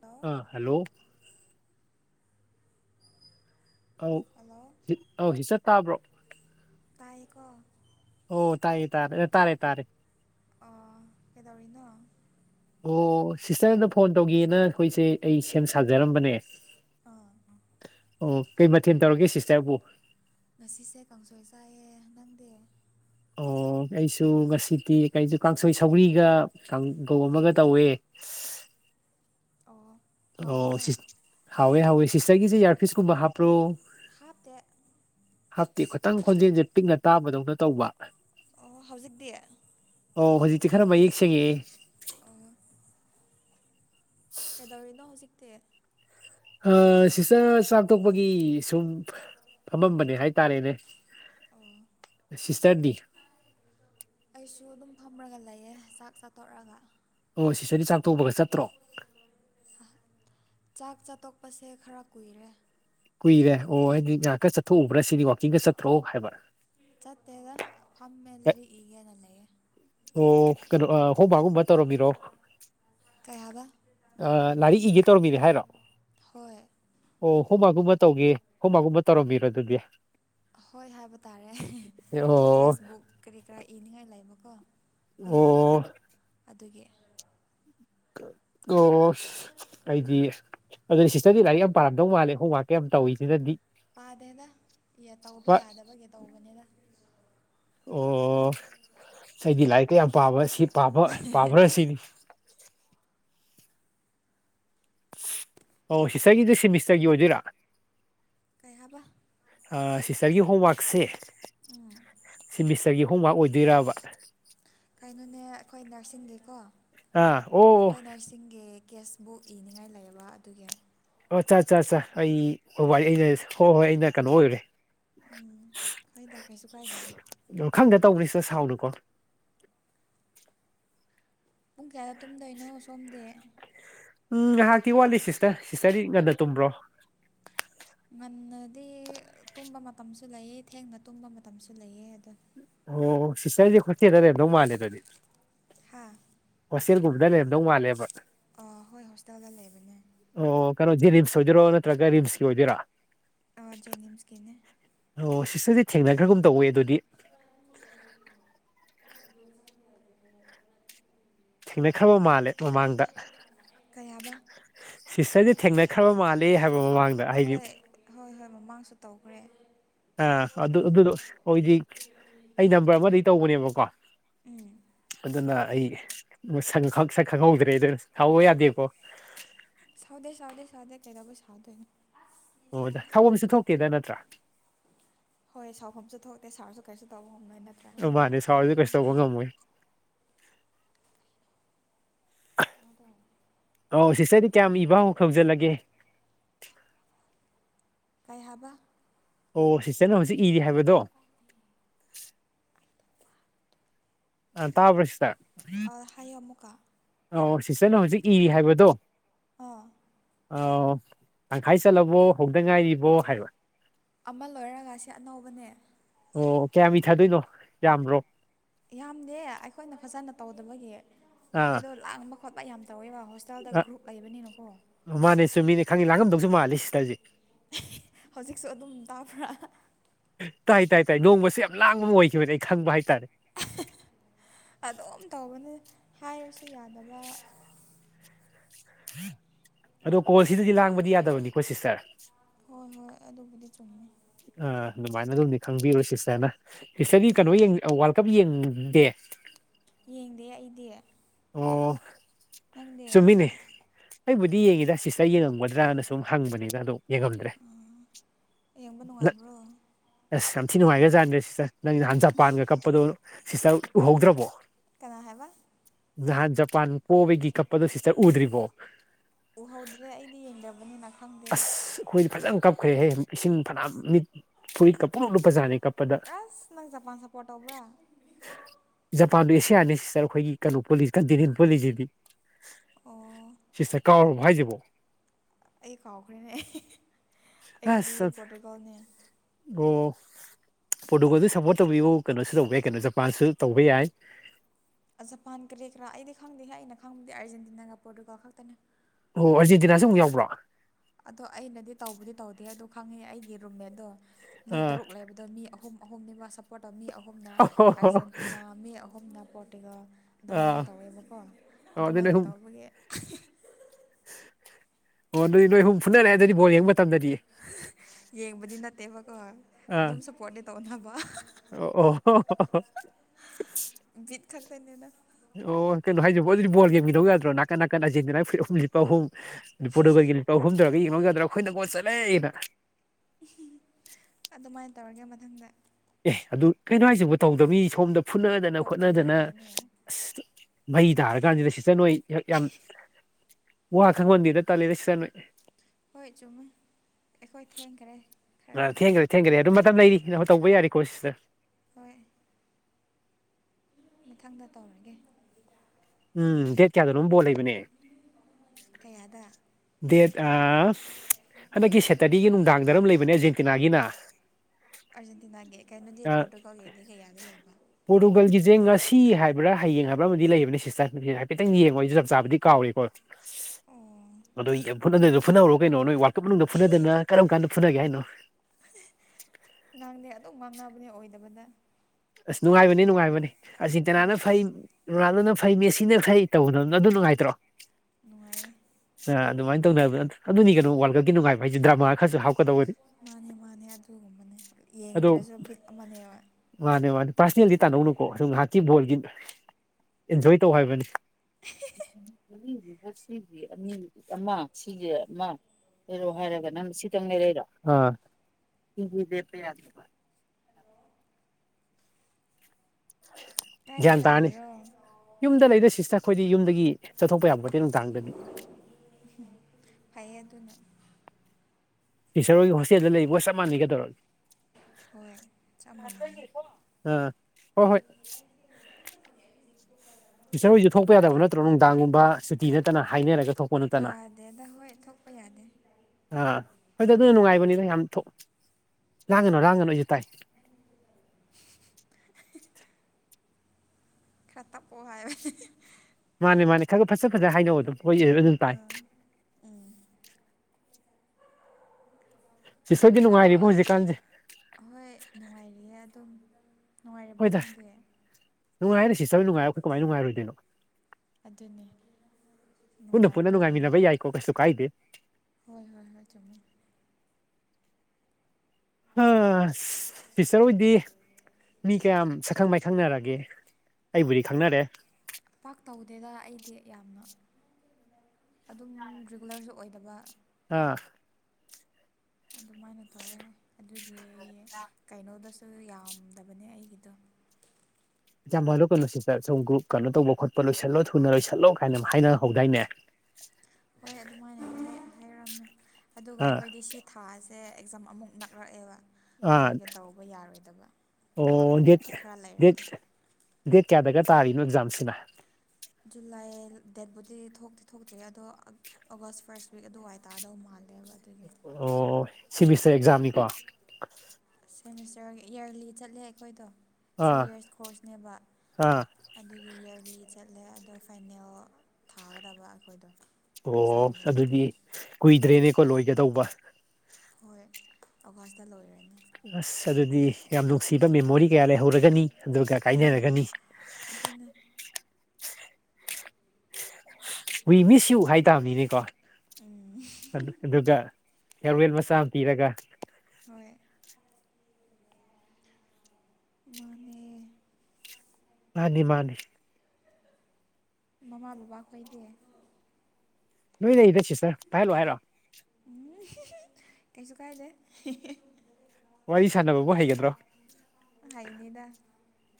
Hello ꯑꯥ hello [unintelligible] ꯑ hello ꯑꯥꯎ ꯁꯤꯁꯇ꯭ꯔ ꯇꯥꯕ꯭ꯔꯣ ꯇꯥꯏꯌꯦꯀꯣ ꯑꯣ ꯇꯥꯏꯌꯦ ꯇꯥꯔꯦ ꯇꯥꯔꯦ ꯇꯥꯔꯦ ꯑ ꯀꯩꯗꯧꯔꯤꯅꯣ ꯑꯣ ꯁꯤꯁꯇꯔꯅ ꯐꯣꯟ ꯇꯧꯒꯦꯅ ꯑꯩꯈꯣꯏꯁꯦ ꯑꯩ ꯁꯦꯝ ꯁꯥꯖꯔꯝꯕꯅꯦ ꯑꯥ ꯑꯣ ꯀꯩ ꯃꯊꯦꯜ ꯇꯧꯔꯒꯦ ꯁꯤꯁꯇꯔꯕꯨ ꯉꯁꯤꯁꯦ ꯀꯥꯡꯁꯣꯏ ꯆꯥꯏꯌꯦ ꯅꯪꯗꯤ ꯑꯣ ꯑꯩꯁꯨ ꯉꯁꯤꯗꯤ ꯀꯩꯅꯁꯨ ꯀꯥꯡꯁꯣꯏ ꯁꯧꯒ꯭ꯔꯤꯒ ꯀꯥꯡꯒꯧ ꯑꯃꯒ ꯇꯧꯋꯦ ꯑꯣ ꯑꯣ ꯍꯥꯎꯕ꯭ꯔꯣ ꯁꯤ ꯍꯥꯎꯋꯦ ꯍꯥꯎꯋꯦ ꯁꯤꯁꯇꯔꯒꯤꯁꯦ ꯏꯌꯥꯔꯄꯤꯤꯁꯀꯨꯝꯕ ꯍꯥꯞꯄ꯭ꯔꯣ ꯍꯥꯞꯇꯦ ꯍꯥꯞꯇꯤ ꯈꯇꯪ ꯈꯣꯟꯖꯦꯜꯁꯦ ꯄꯤꯛꯅ ꯇꯥꯕꯗꯧꯅ ꯇꯧꯕ ꯑꯣ ꯍꯧꯖꯤꯛ ꯗ ꯑꯣ ꯍꯧꯖꯤꯛꯇꯤ ꯈꯔ ꯃꯌꯦꯛ ꯁꯦꯡꯉꯦꯑꯦ ꯎꯝ ꯀꯩꯗꯧꯔꯤꯅꯣ ꯍꯧꯖꯤꯛꯇꯤ ꯑ ꯁꯤꯁꯇꯔ ꯆꯥꯛ ꯇꯣꯛꯄꯒꯤ ꯁꯨꯝ ꯐꯝꯃꯝꯕꯅꯦ ꯍꯥꯏꯇꯥꯔꯦꯅꯦ ꯑꯣ ꯁꯤꯁꯇꯔꯗꯤ ꯑꯩꯁꯨ ꯑꯗꯨꯝ ꯐꯝꯔꯒ ꯂꯩꯌꯦ ꯆꯥꯛ ꯆꯥꯊꯣꯔꯛꯑꯒ ꯑꯣ ꯁꯤꯁꯇꯔꯗꯤ ꯆꯥꯀꯇꯣꯛꯄꯒ ꯆꯠꯇ꯭ꯔꯣ ꯆꯥꯛ ꯆꯥ ꯇꯣꯛꯄꯁꯦ ꯈꯔ ꯀꯨꯏꯔꯦ ꯀꯨꯏꯔꯦ ꯑꯣ ꯑꯩꯗꯤ ꯉꯥꯏꯍꯥꯛꯀ ꯆꯠꯊꯣꯛꯎꯕ꯭ꯔꯥ ꯁꯤꯗꯤ ꯋꯥꯛꯀꯤꯡꯒ ꯆꯠꯇꯔꯣ ꯍꯥꯏꯕ ꯆꯠꯇꯦꯗ ꯐꯝꯃꯦ ꯑꯦ ꯂꯥꯏꯔꯤꯛ ꯏꯒꯦꯅ ꯂꯩꯌꯦ ꯑꯣ ꯀꯩꯅꯣ ꯍꯣꯝ ꯋꯥꯛꯒꯨꯝꯕ ꯇꯧꯔꯝꯃꯤꯔꯣ ꯀꯩ ꯍꯥꯏꯕ ꯂꯥꯏꯔꯤꯛ ꯏꯒꯦ ꯇꯧꯔꯝꯃꯤꯅꯦ ꯍꯥꯏꯔꯣ ꯍꯣꯏ ꯑꯣ ꯍꯣꯝꯋꯥꯛꯒꯨꯝꯕ ꯇꯧꯒꯦ ꯍꯣꯝꯋꯥꯛꯒꯨꯝꯕ ꯇꯧꯔꯝꯃꯤꯔꯣ ꯑꯗꯨꯗꯤ ꯍꯣꯏ ꯍꯥꯏꯕ ꯇꯥꯔꯦ ꯑꯣ ꯀꯦꯁ ꯕꯨꯛ ꯀꯔꯤ ꯀꯔꯥ ꯏꯅꯤꯡꯉꯥꯏ ꯂꯩꯕꯀꯣ ꯑꯈꯣꯏꯒꯤ ꯑꯣ ꯑꯗꯨꯒꯤ ꯑꯣꯁ ꯑꯩꯗꯤ ꯑꯗꯨꯗꯤ ꯁꯤꯁꯇꯔꯗꯤ ꯂꯥꯏꯔꯤꯛ ꯌꯥꯝ ꯄꯥꯔꯝꯗꯧ ꯃꯥꯜꯂꯦ ꯍꯣꯝꯋꯥꯛꯀ ꯌꯥꯝ ꯇꯧꯋꯤꯁꯤꯅꯗꯤ ꯄꯥꯗꯦꯗ ꯇꯧꯕ ꯍꯣꯏ ꯌꯥꯗꯕꯒꯤ ꯇꯧꯕꯅꯤꯗ ꯑꯣ ꯑꯩꯒꯤ ꯂꯥꯏꯔꯤꯛꯀ ꯌꯥꯝ ꯄꯥꯕ ꯁꯤ ꯄꯥꯕ ꯄꯥꯕ꯭ꯔꯥ ꯁꯤꯅꯤ ꯑꯣ ꯁꯤꯇꯔꯒꯤꯗꯤ ꯁꯤꯃꯤꯁꯇꯔꯒꯤ ꯑꯣꯏꯗꯣꯏꯔꯥ ꯀꯩ ꯍꯥꯕ ꯑꯥ ꯁꯤꯁꯇꯔꯒꯤ ꯍꯣꯝꯋꯥꯛꯁꯦ ꯁꯤꯃꯤꯁꯇꯔꯒꯤ ꯍꯣꯝꯋꯥꯛ ꯑꯣꯏꯗꯣꯏꯔꯕ ꯀꯩꯅꯣꯅꯦ ꯑꯩꯈꯣꯏ ꯅꯔꯁꯤꯡꯒꯤꯀꯣ ꯑ ꯑꯣ ꯑꯣ ꯑꯣ ꯆꯤꯡꯒꯤ ꯀꯦꯁꯕꯨꯛ ꯏꯅꯤꯡꯉꯥꯏ ꯂꯩꯕ ꯑꯗꯨꯒꯤ꯫ ꯑꯣ ꯆ ꯆ ꯆ ꯑꯩ [unintelligible] ꯑꯩꯅ ꯍꯣꯏ ꯍꯣꯏ ꯑꯩꯅ ꯀꯩꯅꯣ ꯑꯣꯏꯔꯨꯔꯦ ꯍꯣꯏꯗ ꯀꯩꯁꯨ ꯀꯥꯏꯗꯦꯗ ꯗꯣ ꯈꯪꯗ ꯇꯧꯕꯅꯤ ꯁꯤ ꯁꯥꯎꯅꯨꯀꯣ ꯄꯨꯡ ꯀꯌꯥꯗ ꯇꯨꯝꯗꯣꯏꯅꯣ ꯁꯣꯝꯗꯤ ꯎꯝ ꯉꯥꯏꯍꯥꯛꯇꯤ ꯋꯥꯠꯂꯤ ꯁꯤꯁꯇꯔ ꯁꯤꯁꯇꯔꯗꯤ ꯉꯟꯅ ꯇꯨꯝꯕ꯭ꯔꯣ ꯉꯟꯅꯗꯤ ꯇꯨꯝꯕ ꯃꯇꯝꯁꯨ ꯂꯩꯌꯦ ꯊꯦꯡꯅ ꯇꯨꯝꯕ ꯃꯇꯝꯁꯨ ꯂꯩꯌꯦ ꯑꯗꯣ ꯑꯣ ꯁꯤꯁꯇꯔꯖꯤ ꯍꯣꯇꯦꯜꯗ ꯂꯩꯔꯝꯗꯧ ꯃꯥꯜꯂꯦ ꯗꯨꯗꯤ꯫ ꯍꯥꯥ ꯍꯣꯁꯇꯦꯜꯒꯨꯝꯕꯗ ꯂꯩꯔꯝꯗꯧ ꯃꯥꯜꯂꯦꯕ ꯑ ꯍꯣꯏ ꯍꯣꯁꯇꯦꯜꯗ ꯂꯩꯕꯅꯦ ꯑꯣ ꯀꯩꯅꯣ ꯖꯦꯅꯤꯝꯁ ꯍꯣꯏꯗꯣꯏꯔ ꯅꯠꯇꯒ ꯔꯤꯝꯁ ꯀꯤ ꯑꯣꯏꯗꯣꯏꯔꯥ ꯑ ꯖꯦꯅꯤꯝꯁꯀꯤꯅꯦ ꯑꯣ ꯁꯤꯁꯇꯔꯗꯤ ꯊꯦꯡꯅꯈ꯭ꯔꯒꯨꯝ ꯇꯧꯋꯦ ꯑꯗꯨꯗꯤ [unintelligible] ꯊꯦꯡꯅꯈ꯭ꯔꯕ ꯃꯥꯜꯂꯦ ꯃꯃꯥꯡꯗ ꯀꯌꯥꯕ ꯁꯤꯁꯇꯔꯖꯦ ꯊꯦꯡꯅꯈ꯭ꯔꯕ ꯃꯥꯜꯂꯦ ꯍꯥꯏꯕ ꯃꯃꯥꯡ ꯍꯣꯏ ꯍꯣꯏ ꯍꯣꯏ ꯃꯃꯥꯡꯁꯨ ꯇꯧꯈ꯭ꯔꯦ ꯑꯥ ꯑꯗꯨ ꯑꯗꯨꯗꯣ ꯍꯧꯖꯤꯛ ꯑꯩ ꯅꯝꯕꯔ ꯑꯃꯗꯩꯩ ꯇꯧꯕꯅꯦꯕꯀꯣ ꯎꯝ ꯑꯗꯨꯅ ꯑꯩ ꯁꯪ ꯈ ꯁꯛ ꯈꯪꯍꯧꯗ꯭ꯔꯦ ꯑꯗꯨꯅ ꯁꯥꯎꯕ ꯌꯥꯗꯦꯀꯣ ꯁꯥꯎꯗꯦ ꯁꯥꯎꯗꯦ ꯁꯥꯎꯗꯦ ꯀꯩꯗꯧꯕꯩ ꯁꯥꯎꯗꯣꯏꯅꯣ ꯑꯣꯗ ꯁꯥꯎꯕꯝꯁꯨ ꯊꯣꯛꯇꯦꯗ ꯅꯠꯇ꯭ꯔꯥ ꯍꯣꯏ ꯁꯥꯎꯐꯝꯁꯨ ꯊꯣꯛꯇꯦ ꯁꯥꯎꯔꯁꯨ ꯀꯩꯁꯨ ꯇꯧꯕ ꯉꯝꯔꯣꯏ ꯑꯣ ꯃꯥꯅꯦ ꯁꯥꯎꯔꯁꯨ ꯀꯩꯁꯨ ꯇꯧꯕ ꯅꯠꯇ꯭ꯔꯥ ꯉꯝꯃꯣꯏ ꯃꯥꯗꯣ ꯑ ꯁꯤꯁꯇꯔꯗꯤ ꯈꯪꯗ꯭ꯔꯥ ꯀꯌꯥꯝ ꯏꯕ ꯍꯧꯍꯧꯖꯤꯜꯂꯒꯦ꯫ ꯀꯥꯏ ꯍꯥꯏꯕ꯫ ꯑꯣ ꯁꯤꯁꯇꯔꯅ ꯍꯧꯖꯤꯛ ꯏꯔꯤ ꯍꯥꯏꯕꯗꯣ꯫ ꯑ ꯇꯥꯕ꯭ꯔꯣ ꯁꯇꯔ ꯑ ꯍꯥꯌꯣ ꯃꯨꯀꯥ ꯑ ꯑꯣ ꯁꯤꯁꯇꯔꯅ ꯍꯧꯖꯤꯛ ꯏꯔꯤ ꯍꯥꯏꯕꯗꯣ꯫ ꯑꯥ꯫ ꯑ ꯑꯣ ꯇꯪꯈꯥꯏ ꯆꯠꯂꯕꯣ ꯍꯧꯗ ꯉꯥꯏꯔꯤꯕꯣ ꯍꯥꯏꯕ꯫ ꯑꯃ ꯂꯣꯏꯔꯒ ꯁꯤ ꯑꯅꯧꯕꯅꯦ꯫ ꯑꯣ ꯀꯌꯥꯝ ꯃꯤ ꯊꯥꯗꯣꯏꯅꯣ ꯌꯥꯝꯕ꯭ꯔꯣ꯫ ꯌꯥꯝꯗꯦ ꯑꯩꯈꯣꯏꯅ ꯐꯖꯅ ꯇꯧꯗꯕꯒꯤ ꯑꯥ ꯑꯩꯈꯣꯏꯗꯣ ꯂꯥꯡꯕ ꯈꯣꯠꯄ ꯌꯥꯝ ꯇꯧꯋꯦꯕ ꯍꯣꯁ꯫ ꯍꯣꯁꯄꯤꯇꯥꯜꯗ ꯒ꯭ꯔꯨꯞ ꯂꯩꯕꯅꯤꯅꯀꯣ꯫ ꯃꯥꯅꯦ ꯆꯨꯝ ꯃꯤꯅꯦ ꯈꯪꯉꯤ ꯂꯥꯡꯉꯝꯗꯧꯁꯨ ꯃꯥꯜꯂꯤ ꯁꯤꯁꯇꯔꯁꯦ꯫ ꯏꯁ ꯍꯧꯖꯤꯛꯁꯨ ꯑꯗꯨꯝ ꯇꯥꯕ꯭ꯔꯥ꯫ ꯇꯥꯏ ꯇꯥꯏ ꯇꯥꯏ ꯅꯣꯡꯃꯁꯦ ꯌꯥꯝ ꯂꯥꯡꯕ ꯑꯃ ꯑꯣꯏꯈꯤꯕꯅꯦ ꯑꯩ ꯈꯪꯕ ꯍꯥꯏꯇꯥꯔꯦ꯫ ꯑꯗꯨꯝꯝ ꯇꯧꯕꯅꯦ ꯍꯥꯏꯔꯁꯨ ꯌꯥꯗꯕ꯫ ꯑꯗꯣ ꯀꯣꯜꯁꯤꯗꯗꯤ ꯂꯥꯡꯕꯗꯤ ꯌꯥꯗꯕꯅꯤꯀꯣ ꯁꯤꯁꯇꯔ꯫ ꯍꯣꯏ ꯍꯣꯏ ꯑꯗꯨꯕꯨꯗꯤ ꯆꯨꯝꯃꯤ꯫ ꯑꯥ ꯑꯗꯨꯃꯥꯏꯅ ꯑꯗꯨꯝꯅꯤ ꯈꯪꯕꯤꯔꯣ ꯁꯤꯁꯇꯔꯅ ꯁꯤꯁꯇꯔꯗꯤ ꯀꯩꯅꯣ ꯑꯥ ꯋꯥꯔꯜ ꯀꯞ ꯌꯦꯡꯗꯦ꯫ ꯌꯦꯡꯗꯦ ꯑꯩꯗꯤ꯫ ꯑꯣ ꯅꯪꯗꯤ ꯆꯨꯝꯃꯤꯅꯦ꯫ ꯑꯩꯕꯨꯗꯤ ꯌꯦꯡꯉꯤꯗ ꯁꯤꯁꯇꯔ ꯌꯦꯡꯉꯝꯒꯗ꯭ꯔꯅ ꯁꯨꯝ ꯍꯪꯕꯅꯤꯗ ꯑꯗꯣ ꯌꯦꯡꯉꯝꯗ꯭ꯔꯦ꯫ ꯌꯦꯡꯕ ꯅ ꯅꯨꯡꯉꯥꯏꯕ꯭ꯔꯣ꯫ ꯑꯁ ꯌꯥꯝ ꯊꯤ ꯅꯨꯡꯉꯥꯏꯈ꯭ꯔ ꯖꯥꯠꯅꯤꯗ ꯁꯤꯁꯇꯔ ꯅꯪ ꯅꯍꯥꯟ ꯖꯄꯥꯟꯒ ꯀꯞꯄꯗꯣ ꯁꯤꯁꯇꯔ ꯎꯍꯧꯗ꯭ꯔꯕꯣ꯫ ꯀꯅꯥ ꯍꯥꯏꯕ꯫ ꯅꯍꯥꯟ ꯖꯄꯥꯟ ꯄꯣꯕꯒꯤ ꯀꯞꯄꯗꯣ ꯁꯤꯁꯇꯔ ꯎꯗ꯭ꯔꯤꯕꯣ꯫ ꯎꯍꯧꯗ꯭ꯔꯦ ꯑꯩꯗꯤ ꯌꯦꯡꯗꯕꯅꯤꯅ ꯈꯪ ꯑꯁ ꯑꯩꯈꯣꯏꯗꯤ ꯐꯖꯅ ꯀꯞꯈ꯭ꯔꯦꯍꯦ ꯏꯁꯤꯡ ꯐꯅꯥꯝ ꯃꯤꯠ ꯐꯨꯔꯤꯠꯀ ꯄꯪꯂꯨꯞ ꯂꯨꯞꯄꯖꯥꯠꯅꯦ ꯀꯞ ꯑꯁ ꯅꯪ ꯖꯄꯥꯟ ꯁꯞꯄꯣꯔꯠ ꯇꯧꯕ꯭ꯔꯥ ꯖꯄꯥꯟꯗꯣ ꯑꯦꯁꯤꯌꯥꯅꯦ ꯁꯤꯁꯇ꯭ꯔ ꯑꯩꯈꯣꯏꯒꯤ ꯀꯩꯅꯣ ꯄꯣꯜꯂꯤꯁꯤꯗꯤ ꯀꯟꯇꯤꯅꯦꯟ ꯄꯣꯜꯂꯤꯁꯤꯗꯤ ꯑꯣ ꯁꯤꯁꯇ꯭ꯔ ꯀꯥꯥꯎꯔꯥꯕꯣ ꯍꯥꯏꯁꯤꯕꯨ ꯑꯩ ꯀꯥꯎꯈ꯭ꯔꯦꯅꯦ ꯑꯩꯗꯤ ꯑꯁ ꯄꯣꯔꯇꯨꯒꯜꯅꯦ ꯑꯣ ꯄꯣꯔꯇꯨꯒꯜꯗꯨ ꯁꯄꯣꯔꯠ ꯇꯧꯕꯤꯌꯣ ꯀꯩꯅꯣꯁꯨ ꯇꯧꯕ ꯌꯥꯏ ꯀꯩꯅꯣ ꯖꯄꯥꯟꯁꯨ ꯇꯧꯕ ꯌꯥꯏ ꯫ ꯖꯄꯥꯟ ꯀꯔꯤ ꯀꯔꯥ ꯑꯩꯗꯤ ꯈꯪꯗꯦꯍꯦ ꯑꯩꯅ ꯈꯪꯕꯗꯤ ꯑꯥꯔꯖꯦꯟꯇꯤꯅꯥꯒ ꯄꯣꯔꯇꯨꯒꯥꯜ ꯈꯛꯇꯅꯦ꯫ ꯍꯣ ꯑꯔꯖꯦꯟꯇꯤꯅꯥꯁꯨ ꯑꯃꯨꯛ ꯌꯥꯎꯕ꯭ꯔꯣ꯫ ꯑꯗꯣ ꯑꯩꯅꯗꯤ ꯇꯧꯕꯗꯤ ꯇꯧꯗꯦ ꯑꯗꯨꯗꯣ ꯈꯪꯉꯤ ꯑꯩꯒꯤ ꯔꯨꯝꯃꯦꯠꯗꯣ ꯃꯤ ꯑꯥ ꯇꯔꯨꯛ ꯂꯩꯔꯦ꯫ ꯑꯗꯣ ꯃꯤ ꯑꯍꯨꯝ ꯑꯍꯨꯝꯅꯦꯕ ꯁꯞꯄꯣꯔꯠꯇꯣ ꯃꯤ ꯑꯍꯨꯝꯅ ꯑꯣ ꯑꯥꯏꯔꯖꯦꯟꯇꯤꯅꯥ ꯃꯤ ꯑꯍꯨꯝꯅ ꯄꯣꯔꯇ ꯑꯗꯨꯒ ꯑꯗꯨꯃꯥꯏꯅ ꯑꯥ ꯇꯧꯋꯦꯕꯀꯣ ꯑꯣ ꯑꯗꯨ ꯅꯣꯏ ꯑꯗꯨꯃꯥꯏꯅ ꯑꯍꯨꯝ ꯇꯧꯕꯒꯤ꯫ ꯑꯣ ꯅꯣꯏ ꯅꯣꯏ ꯍꯨꯝ ꯐꯨꯅꯔꯦ ꯑꯗꯨꯗꯤ ꯕꯣꯜ ꯌꯦꯡꯕ ꯃꯇꯝꯗꯗꯤ꯫ ꯌꯦꯡꯕꯗꯤ ꯅꯠꯇꯦꯕꯀꯣ ꯑꯗꯨꯝ ꯁꯞꯄꯣꯔꯇꯤ ꯇꯧꯅꯕ꯫ ꯑꯣꯑꯣ ꯑꯣꯍꯣꯑꯣꯍꯣ꯫ ꯅꯨꯡꯁꯤꯠ ꯈꯛꯇꯥꯅꯤꯗ ꯑꯣ ꯀꯩꯅꯣ ꯍꯥꯏꯖꯤꯕꯣ ꯑꯗꯨꯗꯤ ꯕꯣꯜ ꯌꯦꯡꯃꯤꯟꯅꯧ ꯌꯥꯗ꯭ꯔꯣ ꯅꯥꯀꯟ ꯅꯥꯀꯟꯗ ꯑꯥꯔꯖꯦꯟꯇꯤꯅ ꯐꯨꯔꯤꯠ ꯑꯍꯨꯝ ꯂꯤꯠꯄ ꯑꯍꯨꯝ ꯄꯣꯔꯇꯨꯒꯜꯒꯤ ꯅꯨꯄꯥ ꯑꯍꯨꯝ ꯇꯧꯔꯒ ꯌꯦꯡꯅꯧ ꯌꯥꯗ꯭ꯔꯣ ꯑꯩꯈꯣꯏꯅ ꯒꯣꯜ ꯆꯜꯂꯦꯅ ꯎꯝ [unintelligible] ꯑꯗꯨꯃꯥꯏ ꯇꯧꯔꯒꯦ ꯃꯊꯪꯗ ꯑꯦ ꯑꯗꯨ ꯀꯩꯅꯣ ꯍꯥꯏꯁꯤꯕꯨ ꯇꯧꯗ꯭ꯔꯣ ꯃꯤ ꯁꯣꯝꯗ ꯐꯨꯅꯗꯅ ꯇꯧꯗ꯭ꯔꯤꯌꯦ ꯈꯣꯠꯅꯗꯅ ꯀꯩꯅꯣ ꯑꯁ ꯃꯩ ꯇꯥꯔꯀꯥꯟꯁꯤꯗ ꯁꯤꯁꯇ꯭ꯔ ꯅꯣꯏ ꯌꯥꯝ ꯋꯥ ꯈꯪꯃꯟꯗꯦꯗꯥ ꯇꯜꯂꯦꯗ ꯁꯤꯁꯇ꯭ꯔ ꯅꯣꯏ ꯍꯣꯏ ꯆꯨꯝꯃꯦ ꯑꯩꯈꯣꯏ ꯊꯦꯡꯈ꯭ꯔꯦ ꯑ ꯈꯔ ꯊꯦꯡꯈ꯭ꯔꯦ ꯊꯦꯡꯈ꯭ꯔꯦ ꯑꯗꯣ ꯃꯇꯝ ꯂꯩꯔꯤ ꯇꯧꯕ ꯌꯥꯔꯤꯀꯣ ꯁꯤꯁꯇ꯭ꯔ ꯍꯣꯏ ꯃꯥꯊꯪꯗ ꯇꯧꯔꯒꯦ ꯎꯝ ꯗꯦꯠ ꯀꯌꯥꯗꯅꯣꯝ ꯕꯣꯜ ꯂꯩꯕꯥꯅꯦ ꯀꯌꯥꯗ ꯗꯦꯠ ꯑꯥ ꯍꯟꯗꯛꯀꯤ ꯁꯠꯇ꯭ꯔꯗꯦꯒꯤ ꯅꯨꯡꯗꯥꯡꯗꯔ ꯑꯃ ꯂꯩꯕꯅꯦ ꯑꯥꯔꯖꯦꯟꯇꯤꯅꯥꯒꯤꯅ ꯑꯥꯔꯖꯦꯟꯇꯤꯅꯥꯒꯤ ꯀꯩꯅꯣꯗꯤ ꯄꯣꯔꯇꯨꯒꯜꯒꯤꯗꯤ ꯀꯌꯥꯗ ꯂꯩꯕ ꯄꯣꯔꯇꯨꯒꯜꯒꯤꯖꯦ ꯉꯁꯤ ꯍꯥꯏꯕ꯭ꯔꯥ ꯍꯌꯦꯡ ꯍꯥꯏꯕ꯭ꯔꯥ ꯑꯃꯗꯤ ꯂꯩꯕꯅꯦ ꯁꯤꯁꯇ꯭ꯔ ꯍꯥꯏꯐꯦꯠꯇꯪ ꯌꯦꯡꯉꯣ ꯑꯩꯁꯨ ꯆꯞ ꯆꯥꯕꯗꯤ ꯀꯥꯎꯔꯦꯀꯣ ꯑꯣ ꯑꯗꯣ ꯌꯥꯝ ꯐꯨꯅꯥꯗꯣꯏꯗꯣ ꯐꯨꯅꯍꯧꯔꯣ ꯀꯩꯅꯣ ꯅꯣꯏ ꯋꯥꯔꯜ ꯀꯞ ꯃꯅꯨꯡꯗ ꯐꯨꯅꯗꯅ ꯀꯔꯝ ꯀꯥꯟꯗ ꯐꯨꯅꯥꯒꯦ ꯍꯥꯏꯅꯣ ꯐ [unintelligible] ꯉꯥꯡꯗꯤ ꯑꯗꯨꯝ ꯉꯥꯡꯅꯕꯅꯦ ꯑꯣꯏꯗꯕꯗ ꯑꯁ ꯅꯨꯡꯉꯥꯏꯕꯅꯦ ꯅꯨꯡꯉꯥꯏꯕꯅꯦ ꯑꯥꯔꯖꯦꯟꯇꯤꯅꯥꯅ ꯍꯣꯏ ꯐꯩ ꯔꯣꯅꯥꯜꯗꯣꯅ ꯐꯩ ꯃꯦꯁꯤꯅ ꯐꯩ ꯇꯧꯕꯥꯗꯣ ꯑꯗꯨ ꯅꯨꯡꯉꯥꯏꯇ꯭ꯔꯣ ꯅꯨꯡꯉꯥꯏꯌꯦ ꯑ ꯑꯗꯨꯃꯥꯏꯅ ꯇꯧꯅꯕ ꯑꯗꯨꯅꯤ ꯀꯩꯅꯣ ꯋꯥꯔꯜ ꯀꯞꯀꯤ ꯅꯨꯡꯉꯥꯏꯕ ꯍꯥꯏꯁꯦ ꯗ꯭ꯔꯃꯥ ꯈꯔꯥꯁꯨ ꯍꯥꯞꯀꯗꯧꯕꯅꯤ ꯃꯥꯅꯦ ꯃꯥꯅꯦ ꯑꯗꯨꯒꯨꯝꯕꯅꯦ ꯑꯗꯣ ꯌꯦꯡꯗ꯭ꯔꯁꯨ ꯕꯤꯠ ꯑꯃꯥꯅꯦꯕ ꯃꯥꯅꯦ ꯃꯥꯅꯦ ꯄꯥꯔꯁꯜꯅꯦꯜꯗꯤ ꯇꯥꯅꯧꯅꯨꯀꯣ ꯁꯨꯝ ꯉꯥꯏꯍꯥꯛꯀꯤ ꯕꯣꯜꯒꯤ ꯑꯦꯟꯖꯣꯏ ꯇꯧ ꯍꯥꯏꯕꯅꯤ ꯁꯤꯒꯤ ꯑꯅꯤ ꯑꯃ ꯁꯤꯒꯤ ꯑꯃ ꯂꯩꯔꯛꯑꯣ ꯍꯥꯏꯔꯒ ꯅꯪꯅ ꯁꯤꯇꯪ ꯂꯩꯔꯛꯏꯔꯣ ꯈꯣꯡꯖꯦ ꯂꯦꯞꯄ ꯌꯥꯗꯦꯕ [unintelligible] ꯀꯥꯏꯗ ꯒ꯭ꯌꯥꯟ ꯇꯥꯔꯅꯤ ꯂꯩꯔꯤꯔꯣ ꯌꯨꯝꯗ ꯂꯩꯗ ꯁꯤꯁꯇ꯭ꯔ ꯑꯩꯈꯣꯏꯗꯤ ꯌꯨꯝꯗꯒꯤ ꯆꯠꯊꯣꯛꯄ ꯌꯥꯄꯣꯠꯇꯦ ꯅꯨꯡꯗꯥꯡꯗꯗꯤ ꯐꯩꯌꯦ ꯑꯗꯨꯅ ꯁꯤꯁꯇ꯭ꯔ ꯍꯣꯏꯒꯤ ꯍꯣꯁꯇꯦꯜꯗ ꯂꯩꯕꯒ ꯆꯞ ꯃꯥꯟꯅꯩꯌꯦ ꯀꯩꯗꯧꯔꯒꯦ ꯍꯣꯏ ꯆꯞ ꯃꯥꯟꯅꯩ ꯑꯥ ꯍꯣꯏ ꯍꯣꯏ ꯇꯁꯇꯔ ꯍꯣꯏꯁꯨ ꯊꯣꯛꯄ ꯌꯥꯗꯕ ꯅꯠꯇ꯭ꯔꯣ ꯅꯨꯡꯗꯥꯡꯒꯨꯝꯕ ꯁꯨꯇꯤ ꯅꯠꯇꯅ ꯍꯥꯏꯅꯔꯒ ꯊꯣꯛꯄ ꯅꯠꯇꯅ ꯌꯥꯗꯦꯗ ꯍꯣꯏ ꯊꯣꯛꯄ ꯌꯥꯗꯦ ꯑꯥ ꯍꯣꯏꯗ ꯑꯗꯨꯅ ꯅꯨꯡꯉꯥꯏꯕꯅꯤꯗ ꯌꯥꯝ ꯂꯥꯡꯒꯅꯨ ꯂꯥꯡꯒꯅꯨ ꯑꯩꯁꯨ ꯇꯥꯏ ꯈꯔ ꯇꯞꯄꯣ ꯍꯥꯏꯕꯅꯦ ꯃꯥꯅꯦ ꯃꯥꯅꯦ ꯈꯔꯒ ꯐꯖ ꯐꯖꯅ ꯍꯥꯏꯅꯧ ꯑꯗꯨꯝ ꯍꯣꯏ ꯑꯗꯨꯝ ꯇꯥꯏ ꯑꯥ ꯎꯝ ꯁꯤꯇꯔꯗꯤ ꯅꯨꯡꯉꯥꯏꯔꯤꯕꫭ ꯍꯧꯖꯤꯛꯀꯥꯟꯁꯦ ꯍꯣꯏ ꯅꯨꯡꯉꯥꯏꯔꯤꯌꯦ ꯑꯗꯨꯝ ꯅꯨꯡꯉꯥꯏꯔꯤꯕꯣ ꯅꯪꯗꯤ ꯅꯨꯡꯉꯥꯏꯗ ꯁꯤꯁꯇ꯭ꯔ ꯍꯣꯏ ꯅꯨꯡꯉꯥꯏꯔ ꯑꯩꯈꯣꯏ ꯀꯩꯗꯧ ꯅꯨꯡꯉꯥꯏꯔꯣꯏꯗꯣꯏꯅꯣ ꯑꯗꯨꯅꯦ ꯅꯨꯡꯉꯥꯏꯒꯗꯧꯕꯥꯅꯦ ꯀꯣ ꯀꯩꯁꯨ ꯀꯥꯏꯗꯦ ꯍꯣꯏ ꯍꯣꯏ ꯍꯣꯏ ꯆꯨꯝꯃꯦ ꯑꯁ ꯁꯤꯁꯇ꯭ꯔ ꯍꯣꯏꯗꯤ ꯃꯤ ꯀꯌꯥꯝ ꯁꯛꯈꯪ ꯃꯥꯏꯈꯪꯅꯔꯒꯦ ꯑꯩꯕꯨꯗꯤ ꯈꯪꯅꯔꯦ ꯄꯥꯛ ꯇꯧꯗꯦꯗ ꯑꯩꯗꯤ ꯌꯥꯝꯅ ꯑꯗꯨꯝ ꯔꯤꯒꯨꯂꯔꯁꯨ ꯑꯣꯏꯗꯕ ꯑꯥ ꯑꯗꯨꯃꯥꯏꯅ ꯇꯧꯋꯦ ꯑꯗꯨꯒꯤ ꯀꯩꯅꯣꯗꯁꯨ ꯌꯥꯝꯗꯕꯅꯦ ꯑꯩꯒꯤꯗꯣ ꯀꯩꯅꯣ [unintelligible] ꯁꯤꯗ ꯁꯣꯝ ꯒ꯭ꯔꯨꯞ ꯀꯩꯅꯣ ꯇꯧꯕ ꯈꯣꯠꯄ ꯂꯣꯏꯁꯤꯜꯂꯣ ꯊꯨꯅ ꯂꯣꯏꯁꯤꯜꯂꯣ ꯀꯥꯏꯅ ꯍꯥꯏꯅꯍꯧꯗꯥꯏꯅꯦ ꯍꯣꯏ ꯑꯗꯨꯃꯥꯏꯅ ꯍꯥꯏꯐ‌ꯦꯠ ꯍꯥꯏꯔꯝꯃꯦ ꯑꯗꯨꯒ ꯑꯥ ꯑꯩꯈꯣꯏꯗꯤ ꯁꯤ ꯊꯥꯁꯦ ꯑꯦꯛꯖꯥꯝ ꯑꯃꯨꯛ ꯅꯛꯔꯛꯑꯦꯕ ꯑꯥ ꯑꯗꯨꯒꯤ ꯇꯧꯕ ꯌꯥꯔꯣꯏꯗꯕ ꯉꯍꯥꯛ ꯑꯣ ꯂꯩꯔ ꯗꯦꯠ ꯈꯔ ꯗꯦꯠ ꯂꯩꯔꯗꯤ ꯗꯦꯠ ꯀꯌꯥꯗꯒ ꯇꯥꯔꯤꯅꯣ ꯑꯦꯛꯖꯥꯝꯁꯤꯅ ꯖꯨꯂꯥꯏ ꯗꯦꯠꯕꯨꯗꯤ ꯊꯣꯛꯇꯤ ꯊꯣꯛꯇ꯭ꯔꯤ ꯑꯗꯣ ꯑꯣꯒꯁ ꯐꯥꯔꯁ ꯋꯤꯛ ꯑꯗꯨꯋꯥꯏ ꯇꯥꯗꯧ ꯃꯥꯜꯂꯦꯕ ꯑꯗꯨꯒꯤ ꯑꯣ ꯁꯤꯃꯤꯁꯇꯔ ꯑꯦꯛꯖꯥꯝꯅꯤꯀꯣ [unintelligible] ꯁꯦꯃꯤꯁꯇꯔ ꯏꯌꯥꯔꯂꯤ ꯆꯠꯂꯦ ꯑꯩꯈꯣꯏꯗꯣ ꯊ꯭ꯔꯤ ꯑꯥ ꯏꯔꯁ ꯀꯣꯔꯁꯅꯦꯕ ꯑꯥ ꯑꯗꯨꯒꯤ ꯏꯌꯔꯂꯤ ꯆꯠꯂꯦ ꯑꯗꯣ ꯐꯥꯏꯅꯦꯜ ꯊꯥꯒꯗꯕ ꯑꯩꯈꯣꯏꯗꯣ ꯑꯣ ꯑꯦꯛꯖꯥꯝꯗꯣ ꯑꯗꯨꯗꯤ ꯀꯨꯏꯗ꯭ꯔꯦꯅꯦꯀꯣ ꯂꯣꯏꯒꯗꯧꯕ ꯍꯣꯏ ꯑ‌ꯣꯒꯁꯇ ꯂꯣꯏꯔꯦꯅꯦ ꯑꯁ ꯑꯗꯨꯗꯤ ꯌꯥꯝ ꯅꯨꯡꯁꯤꯕ ꯃꯦꯃꯣꯔꯤ ꯀꯌꯥ ꯂꯩꯍꯧꯔꯒꯅꯤ ꯑꯗꯨꯒ ꯀꯥꯏꯅꯔꯒꯅꯤ ꯑꯗꯨꯅ‌ꯦ ꯋꯤ ꯃꯤꯁ ꯌꯨ ꯍꯥꯏꯇꯥꯥꯕꯅꯤꯅꯦꯀꯣ ꯎꯝ ꯑꯗꯨꯒ ꯐꯤꯌꯔꯋꯦꯜ ꯃꯆꯥ ꯑꯃ ꯄꯤꯔꯒ ꯍꯣꯏ ꯃꯥꯅꯦ ꯃꯥꯅꯤ ꯃꯥꯅꯤ ꯃꯃꯥ ꯕꯕꯥ ꯈꯣꯏꯗꯤ ꯂꯣꯏ ꯂꯩꯗ ꯁꯤꯁꯇꯔ ꯄꯥꯥꯏꯍꯜꯂꯣ ꯍꯥꯏꯔꯣ ꯎꯝ [unintelligible] ꯀꯩꯁꯨ ꯀꯥꯏꯗꯦ [unintelligible] ꯋꯥꯔꯤ ꯁꯥꯟꯅꯕꯕꯨ ꯍꯩꯒꯗ꯭ꯔꯣ [unintelligible] ꯍꯩꯅꯤꯗ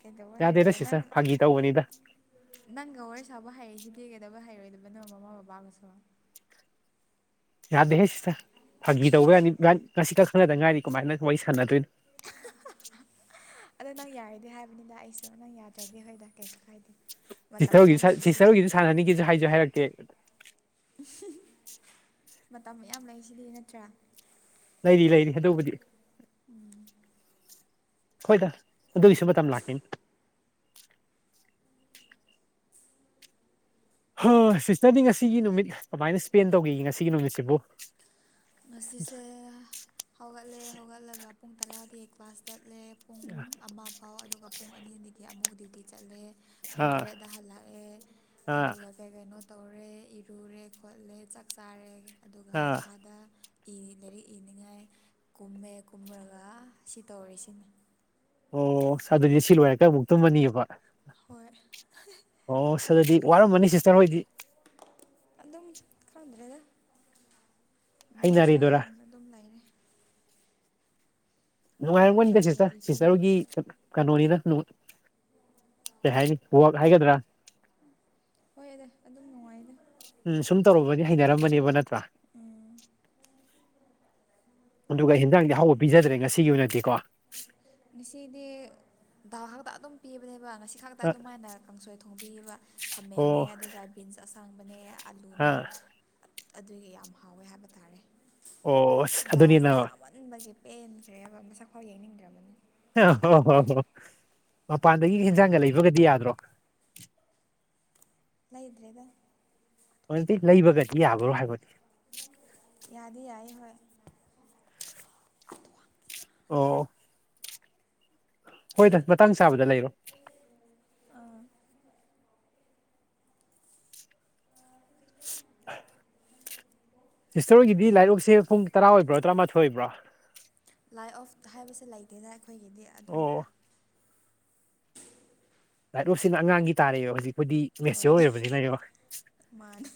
ꯀꯩꯗꯧꯕꯩ ꯌꯥꯗꯦꯗ ꯍꯩꯔ‌ꯣꯏꯗ‌ꯣ ꯅꯪ ꯁꯤꯁꯇꯔ ꯐꯥꯒꯤ ꯇꯧꯕꯅꯤꯗ ꯅꯪꯒ ꯋꯥꯔꯤ ꯁꯥꯕ ꯍꯩꯁꯤꯗꯤ ꯀꯩꯗꯧꯕꯩ ꯍꯩꯔꯣꯏꯗꯕꯅꯣ ꯃꯃꯥ ꯕꯕꯥꯒꯁꯨ ꯌꯥꯗꯦꯍꯦ ꯁꯤꯇꯔ ꯐꯥꯒꯤ ꯇꯧꯕ ꯋꯥꯅꯤ ꯏꯕꯟ ꯉꯁꯤꯇ ꯈꯪꯅꯗ ꯉꯥꯏꯔꯤ ꯀꯃꯥꯏꯅ ꯋꯥꯔꯤ ꯁꯥꯟꯅꯗꯣꯏꯅꯣ ꯑꯗꯣ ꯅꯪ ꯌꯥꯔꯗꯤ ꯍꯥꯏꯕꯅꯤꯗ ꯑꯩꯁꯨ ꯅꯪ ꯌꯥꯗ꯭ꯔꯗꯤ ꯍꯣꯏꯗ ꯀꯩꯁꯨ ꯀꯥꯏꯗꯦ [unintelligible] ꯃꯇꯝ ꯁꯤꯁꯇꯔ ꯃꯌꯥꯝ ꯍ‌ꯣꯏꯒꯤꯁ ꯂꯩꯁꯤꯗꯤ ꯁꯤꯁꯇꯔꯍ‌ꯣꯏꯒꯤꯁꯨ ꯁꯥꯟꯅꯅꯤꯒꯦꯁꯨ ꯍꯥꯏꯁꯨ ꯍꯥꯏꯔꯛꯇ‌ꯦ [unintelligible] ꯃꯇꯝ ꯃꯌꯥꯝ ꯂꯩꯁꯤꯗꯤ ꯅꯠꯇ꯭ꯔꯥ ꯂꯩꯔꯤ ꯂꯩꯔꯤ ꯑꯗꯨꯕꯨꯗꯤ ꯍꯣꯏꯗ ꯑꯗꯨꯒꯤꯁꯨ ꯃꯇꯝ ꯂꯥꯛꯈꯤꯅꯤ ꯍꯥ ꯁꯤꯁꯇꯔꯗꯤ ꯉꯁꯤꯒꯤ ꯅꯨꯃꯤꯠ ꯀꯃꯥꯏꯅ ꯏꯁꯄꯦꯟ ꯇꯧꯈꯤ ꯉꯁꯤꯒꯤ ꯅꯨꯃꯤꯠꯁꯤꯕꯨ ꯉꯁꯤꯁꯦ ꯍꯧꯒꯠꯂꯦ ꯍꯧꯒꯠꯂꯒ ꯄꯨꯡ ꯇꯔꯥꯗꯤ ꯀ꯭ꯂꯥꯁ ꯆꯠꯂꯦ ꯄꯨꯡ ꯑꯃ ꯐꯥꯎ ꯑꯗꯨꯒ ꯄꯨꯡ ꯑꯅꯤ ꯑꯅꯤꯗꯤ ꯑꯃꯨꯛ ꯗꯤꯌꯨꯇꯤ ꯆꯠꯂꯦ ꯄꯨꯡ ꯑꯥ ꯇꯔꯦꯠꯗ ꯍꯜꯂꯛꯑꯦ ꯑꯥ ꯑꯗꯨꯒ ꯀꯩ ꯀꯩꯅꯣ ꯇꯧꯔꯦ ꯏꯔꯨꯔꯦ ꯈꯣꯠꯂꯦ ꯆꯥꯛ ꯆꯥꯔꯦ ꯑꯗꯨꯒ ꯑꯥ ꯃꯈꯥꯗ ꯏꯔꯤ ꯂꯥꯏꯔꯤꯛ ꯏꯅꯤꯡꯉꯥꯏ ꯀꯨꯝꯃꯦ ꯀꯨꯝꯔꯒ ꯁꯤ ꯇꯧꯔꯤ ꯁꯤꯅꯤ ꯑꯣ ꯑꯗꯨꯗꯤ ꯁꯤ ꯂꯣꯏꯔꯒ ꯑꯃꯨꯛ ꯇꯨꯝꯃꯅꯤꯅ‌ꯦꯕ ꯍꯣꯏ ꯑꯣ ꯁ ꯑꯗꯨꯗꯤ ꯋꯥꯔꯝꯃꯅꯤ ꯁꯤꯁꯇꯔ ꯍꯣꯏꯗꯤ ꯑꯗꯨꯝ ꯈꯟꯗ꯭ꯔꯦꯗ ꯍꯩꯅꯔꯦꯗꯨꯔꯥ ꯃꯍꯧꯁꯥꯒꯨꯝꯅ ꯑꯗꯨꯝ ꯂꯩꯔꯦ ꯅꯨꯡꯉꯥꯏꯔꯝꯒꯅꯤꯗ ꯃꯍꯧꯁꯥꯒꯤ ꯁꯤꯁꯇꯔ ꯁꯤꯁꯇꯔ ꯗ꯭ꯌꯨꯇꯤꯅꯤ ꯍ‌ꯣꯏꯒꯤ ꯀꯩꯅꯣꯅꯤꯅ ꯀꯩ ꯍꯥꯏꯅꯤ ꯋꯥꯛ ꯍꯥꯏꯒꯗ꯭ꯔꯥ ꯍꯣꯏꯗ ꯑꯗꯨꯝ ꯅꯨꯡꯉꯥꯏꯗ ꯎꯝ ꯁꯨꯝ ꯇꯧꯔꯨꯕꯗꯤ ꯍꯩꯅꯔꯃꯅꯦꯕ ꯅꯠꯇ꯭ꯔꯥ ꯎꯝ ꯑꯗꯨꯒ ꯍꯦꯟꯖꯥꯡꯗꯤ ꯍꯥꯎꯕ ꯄꯤꯖꯗ꯭ꯔꯦ ꯉꯁꯤꯒꯤ ꯑꯣꯏꯅꯗꯤꯀꯣ ꯉꯁꯤꯗꯤ ꯗꯜꯈꯥꯛꯇ ꯑꯗꯨꯝ ꯄꯤꯕꯅꯦꯕ ꯉꯁꯤ ꯈꯛꯇ ꯑꯗꯨꯝꯃꯥꯏꯅ ꯀꯥꯡꯁꯣꯏ ꯊꯣꯡꯕꯤꯕ ꯈꯥꯃꯦꯟꯅꯦ ꯑꯣ ꯑꯗꯨꯒ ꯕꯤꯟꯁ ꯑꯁꯥꯡꯕꯅꯦ ꯑꯂꯨꯅꯦ ꯑꯗꯨꯒꯤ ꯌꯥꯝ ꯍꯥꯎꯋꯦ ꯍꯥꯏꯕ ꯇꯥꯔꯦ ꯑꯣ ꯑꯗꯨꯅꯤꯅ ꯗꯥꯜꯁꯦ ꯍꯣꯏ ꯆꯥꯃꯟꯕꯒꯤ ꯄꯦꯟꯈ꯭ꯔꯦꯏꯕ ꯃꯁꯛꯐꯥꯎ ꯌꯦꯡꯅꯤꯡꯗ꯭ꯔꯕꯅꯤ ꯑ ꯍꯣ ꯍꯣ ꯍꯣꯏ ꯃꯄꯥꯟꯗꯒꯤ ꯏꯟꯖꯥꯡꯒ ꯂꯩꯕꯒꯗꯤ ꯌꯥꯗ꯭ꯔꯣ ꯂꯩꯗ꯭ꯔꯦꯗ [unintelligible] ꯂꯩꯕꯒꯗꯤ ꯌꯥꯕꯔꯣ ꯍꯥꯏꯕꯗꯤ ꯌꯥꯗꯤ ꯌꯥꯏ ꯍꯣꯏ ꯑꯣ ꯍꯣꯏ ꯇ ꯃꯇꯥꯡ ꯆꯥꯕꯗ ꯂꯩꯔꯣ ꯍꯣꯏ ꯍꯥꯏ ꯁꯤꯁꯇꯔꯣꯏꯒꯤꯗꯤ ꯂꯥꯏꯔꯤꯛꯁꯦ ꯄꯨꯡ ꯇꯔꯥ ꯑꯣꯏꯕ꯭ꯔꯣ ꯇꯔꯥꯃꯥꯊꯣꯏ ꯑꯣꯏꯕ꯭ꯔꯣ ꯂꯥꯏ ꯑꯣꯐ ꯍꯥꯏꯕꯁꯦ ꯂꯩꯇꯦꯅ ꯑꯩꯈꯣꯏꯒꯤꯗꯤ ꯑꯗꯨꯝ ꯑꯣ ꯂꯥꯏꯠ ꯔꯣꯞꯁꯤꯅ ꯑꯉꯥꯡꯒꯤ ꯇꯥꯔꯛꯦꯕ ꯍꯧꯖꯤꯛꯄꯨꯗꯤ ꯃꯦꯆꯌꯣꯔ ꯑꯣꯏꯔꯕꯅꯤꯅ ꯃꯥꯅꯤ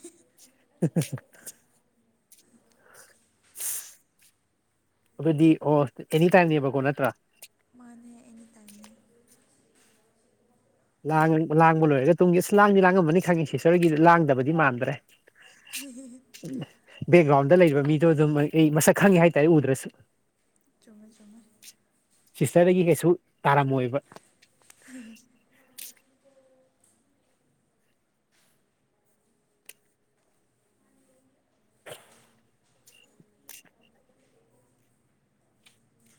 ꯑꯗꯨꯗꯤ ꯑꯣ ꯑꯦꯅꯤ ꯇꯥꯏꯝꯅꯦꯕꯀꯣ ꯅꯠꯇ꯭ꯔꯥ ꯃꯥꯅ ꯍ ꯑꯦꯅꯤ ꯇꯥꯏꯝꯅꯤ ꯂꯥꯡ ꯂꯥꯡꯕ ꯂꯣꯏꯔꯒ ꯇꯨꯡꯒꯤ ꯑꯁ ꯂꯥꯡꯗꯤ ꯂꯥꯡꯉꯃꯅꯤ ꯈꯪꯉꯦ ꯁꯁꯔꯒꯤꯗꯤ ꯂꯥꯡꯗꯕꯗꯤ ꯃꯥꯟꯗ꯭ꯔꯦ ꯎ ꯕꯦꯛꯒ꯭ꯔꯥꯎꯟꯗ ꯂꯩꯔꯤꯕ ꯃꯤꯗꯣ ꯑꯗꯨꯝ ꯑꯩ ꯃꯁꯛ ꯈꯪꯉꯦ ꯍꯥꯏꯇꯥꯔꯦ ꯎꯗ꯭ꯔꯁꯨ ꯆꯨꯝꯃꯦ ꯆꯨꯝꯃꯦ ꯁꯤꯁꯇꯔꯗꯒꯤ ꯀꯩꯁꯨ ꯇꯥꯔꯝꯃꯣꯏꯕ ꯎ